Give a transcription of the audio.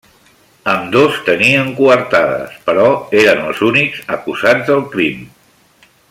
Ambdós tenien coartades, però eren els únics acusats del crim.